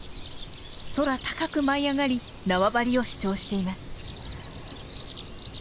空高く舞い上がり縄張りを主張しています。